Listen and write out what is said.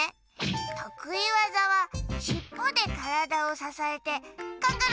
とくいわざはしっぽでからだをささえてカンガルーキック！